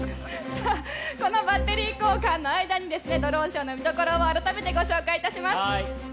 このバッテリー交換の間にドローンショーの見どころを改めてご紹介します。